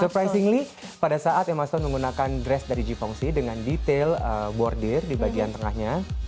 surprisingly pada saat emason menggunakan dress dari g pongsi dengan detail bordir di bagian tengahnya